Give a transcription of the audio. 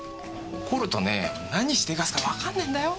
怒るとね何しでかすかわかんねぇんだよ